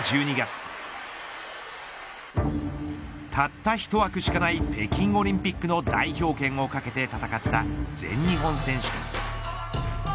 去年１２月たった一つしかない北京オリンピックの代表権を懸けて戦った全日本選手権。